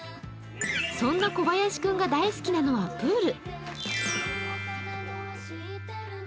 そんな小林君が大好きなのはプール。